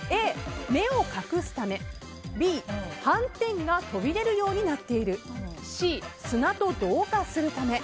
Ａ、目を隠すためＢ、斑点が飛び出るようになっているＣ、砂と同化するため。